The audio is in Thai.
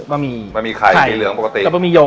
บะหมี่ไข่สีเหลืองปกติ